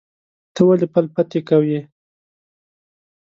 ته ولې پل پتی کوې؟